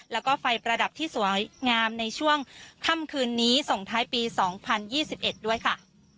แล้วก็ไฟประดับที่สวยงามในช่วงค่ำคืนนี้ส่งท้ายปี๒๐๒๑ด้วยค่ะ